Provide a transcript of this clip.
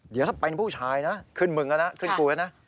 เดี๋ยวถ้าเป็นผู้ชายนะขึ้นมึงแล้วนะขึ้นกูแล้วนะ